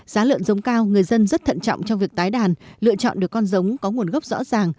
giá lợn giống cao người dân rất thận trọng trong việc tái đàn lựa chọn được con giống có nguồn gốc rõ ràng